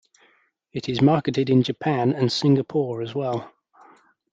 It is marketed in Japan and Singapore as well.